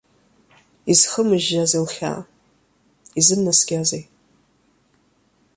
Изхымыжьжьази лхьаа, изымнаскьазеи?